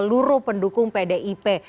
seluruh pendukung pdip